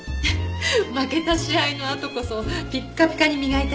負けた試合のあとこそピッカピカに磨いてあげて。